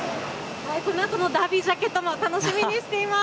このあとのダービージャケットも楽しみにしています。